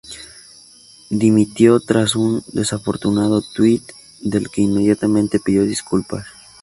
Dimitió tras un desafortunado tuit, del que inmediatamente pidió disculpas.